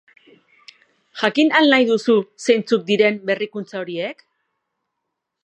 Jakin al nahi duzu zeintzuk diren berrikuntza horiek?